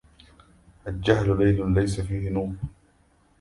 الجهل ليل ليس فيه نور